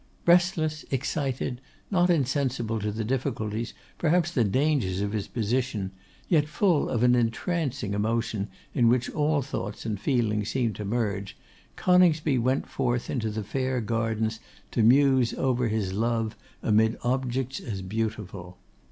Restless, excited, not insensible to the difficulties, perhaps the dangers of his position, yet full of an entrancing emotion in which all thoughts and feelings seemed to merge, Coningsby went forth into the fair gardens to muse over his love amid objects as beautiful.